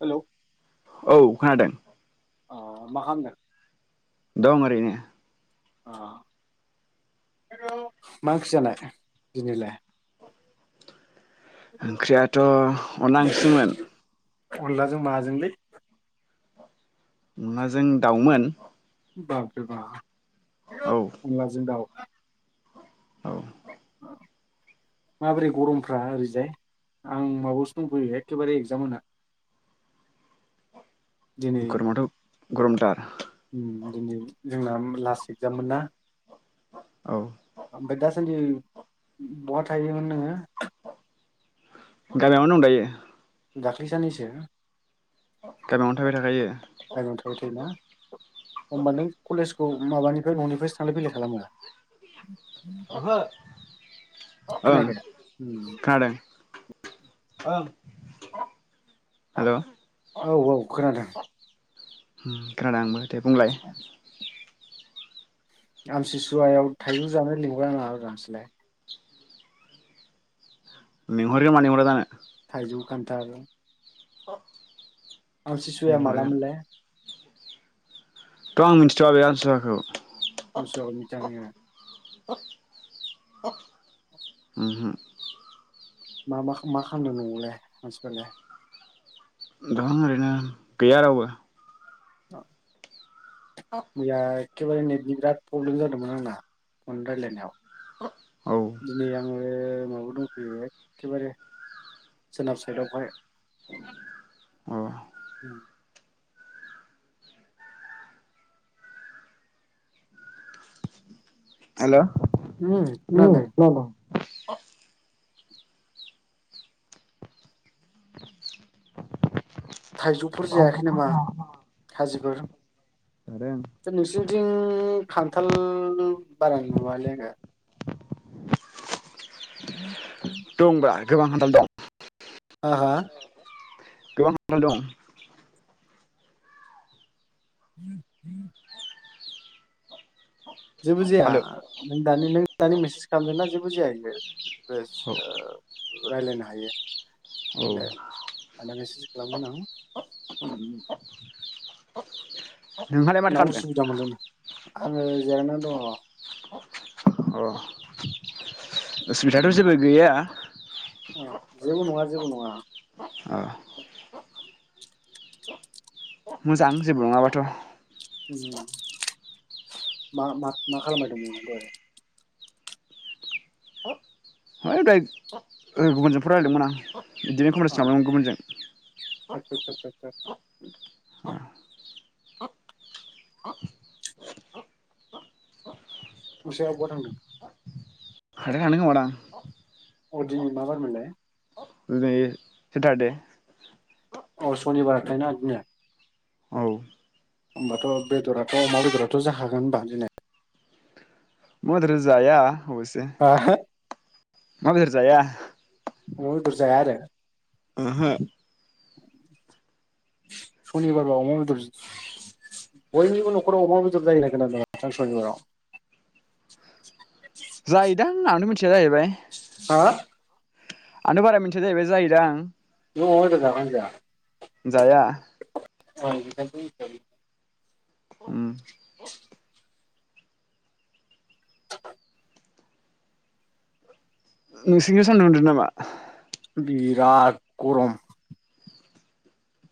Hello औ खोनादों। अ माखामदों दं ओरैनो अ मा ओंखि जानाय दिनिलाय ओंख्रियाथ' अनला ओंख्रिसोमोन अनलाजों माजोंलै अनलाजों दाउमोन बाबरेबा औ अनलाजों दाउ औ माबोरै गरमफ्रा ओरैजाय आं माबायावसो दंफैयो एखेबारे एक्जाम होना दिनै गरमाथ' गरमथार दिनै जोंना लास्ट एक्जाम मोन ना औ [unintelligible] आ बहा थायोमोन नोङो गामियावनो दं दायो दाख्लै साननैसो थाबाय थाखायो गामियावनो थाबाय थायोना अ होमबा नों कलेज खौ माबानिफ्राय न'निफ्रायसो थांलाय फैलाय खालामो ओं खोनायाखै उम खादों हेलौ औ औ खोनादों उम खोनादों आंबो दे बुंलाय आमसिसुवायाव थाइजौ जानो लिंहरला नामाब्रा नोंसोरलाय लिंहरो मानो लिंहरा जानो थाइजौ खान्थाल [inaudible] आमसिसुवाया लिंहरगोन मालामोनलाय थ' आं मिन्थिथ‌आ बे आमसिसुवाखौ आमसिसुवाखौ मिथिया नोङो उम हो मा मा मा खालामदों नंआवलाय मानसिफोरालाय दं ओरैनो गैया रावबो औ [inaudible] एकेबार नेटनि बिराद प्रब्लेम जादोंमोन आंना फन रायलायनायाव औ दनै आङो [unintelligible] दंफैयो एखेबारे सोनाब साइदआवहाय अ उम हेल' ओम खोनादों [inaudible] थाइजौफोर जायाखै नामा? खाजिफोर जादों [unintelligible] खान्थाल बारा नुआलै आङो [inaudible] दंब्रा गोबां खान्थाल दं हा‌ हा गोबां [unintelligible] दं [inaudible] जेबो जाया हेल' नों दानि नों दानि मेसेज थामजोना जेबो जाया बियो बेस ओ रायलायनो हायो औ आअं दा मेसेस खालामगोन आं ओम नोंहालाय माथो ना खामदों? उसुबिदा मोनदों आङो जिरायनानै दङ अ उसुबिदाथ' जेबो गैया जेबो नङा जेबो नङा अ मोजां जेबो नङाबाथ' ओम मा मा मा खालामबाय दंमोन नों‌ दहाय है दहय ओ गुबुनजों फन रायलायदोंमोन आं अ बिदिनो [unintelligible] गुबुनजों [unintelligible] नोंसा आइआ बहा थांदों? हाथाय थांदों खोमादां अ दिनै मा बार मोनलाय? दिनै सेटारडे औ सनिबार हाथायना दिनै औ होमबाथ' बेदराथ' अमा बेदराथ' जाखागोन होनबा दिनै अमा बेदर‌ जाया अबसे ओहो अमा बेदर जाया अमा बेदर‌ जाया आरो ओहो सनिबार बा अमा बेदर बयनिबो न'खराव अमा बेदर जायो होननाय खोनादों माथो आं सनिबाराव जायोदां आंनो मिथि थिया जाहैबाय हा आंथ'नो बारा मिथिया जाहैबाय जायोदां नों अमा बेदर‌ जायोना जाया? जाया [unintelligible] उम [inaudible] नोंसोरनिखौ सान्दुं दुंदों नामा? बिराद गरम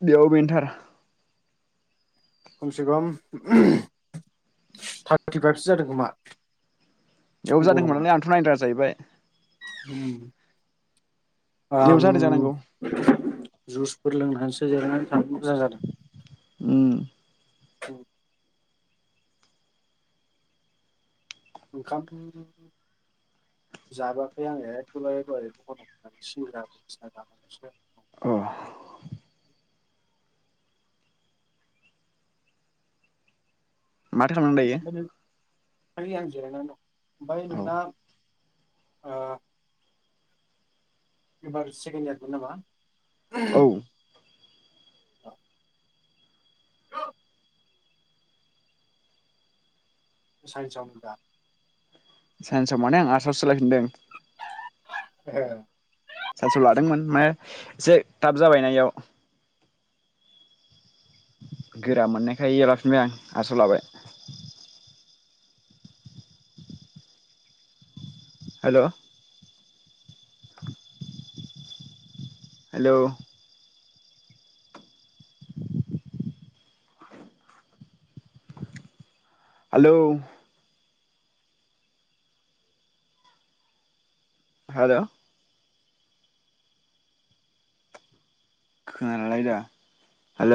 बेयाव बेनोथार खमसे खम थार्टिफाइभसो जादों खोमा? बेयावबो जादोंमोन नालाय आंथ' नायनो रोङा जाहैबाय। उ [inaudible] बेयाव ओम जादों जानांगौ जुसफोर लोंनो हासै जिरायनानै थानो मोजां जादों। उम औ [inaudible] ओंखाम जाबोआखै आङो एकेबारे दहाय दखिनावनानै सिरा बायदिसिना जानानैसो अ माथो खालामदों दायो? आ आं जिरायना दं। ओबाय नोंना ओ एबार सेकेणड इयारमोन नामा। औ औ [inaudible] सायन्साव होनदोंदा? सायेन्साव माने आं आर्साव‌ सोलायफिनदों। ओ सान्साव लादोंमोन मे एसे थाब जाबायना इयाव गोरा मोननायखाय इयावलाफिनबाय आं आर्साव लाबाय। हेल' [inaudible] हेलौ हालौ हाल' खोनालालाय दा हेल'